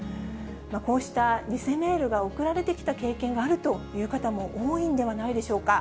こうした偽メールが送られてきた経験があるという方も多いんではないでしょうか。